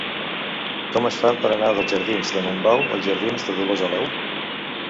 Com es fa per anar dels jardins de Montbau als jardins de Dolors Aleu?